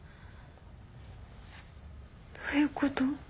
どういうこと？